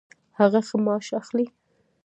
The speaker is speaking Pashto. هغه ښه معاش اخلي